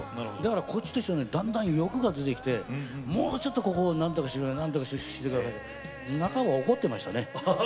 こっちとしてはだんだん欲が出てきてもうちょっとここをなんとかしてなんとかしてって半ば、怒っていましたね。